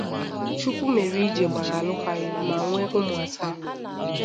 Chukwumerije gbara alụkwaghịm ma nwee ụmụ asaa.